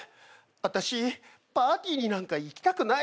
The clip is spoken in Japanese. あたしパーティーになんか行きたくないわ。